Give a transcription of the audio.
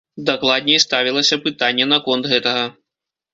Дакладней, ставілася пытанне наконт гэтага.